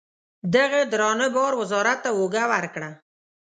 دغه درانه بار وزارت ته اوږه ورکړه.